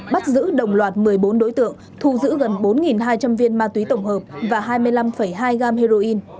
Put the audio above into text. bắt giữ đồng loạt một mươi bốn đối tượng thu giữ gần bốn hai trăm linh viên ma túy tổng hợp và hai mươi năm hai gam heroin